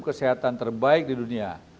kesehatan terbaik di dunia